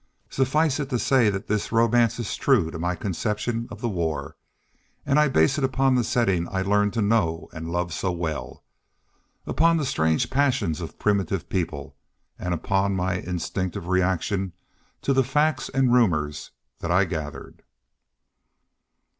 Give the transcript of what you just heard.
Suffice it to say that this romance is true to my conception of the war, and I base it upon the setting I learned to know and love so well, upon the strange passions of primitive people, and upon my instinctive reaction to the facts and rumors that I gathered.